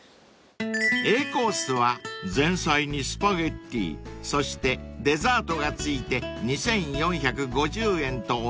［Ａコースは前菜にスパゲティそしてデザートが付いて２，４５０円とお値打ち］